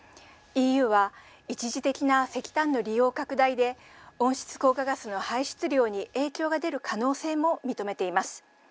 ＥＵは一時的な石炭の利用拡大で温室効果ガスの排出量に影響が出る可能性も認めています。